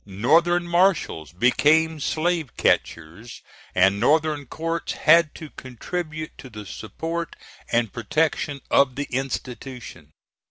Northern marshals became slave catchers, and Northern courts had to contribute to the support and protection of the institution.